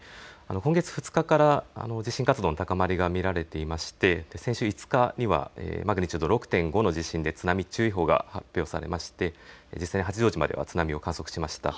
今月２日から地震活動の高まりが見られていまして、先週５日にはマグニチュード６．５の地震で津波注意報が発表されまして実際八丈島では津波を観測しました。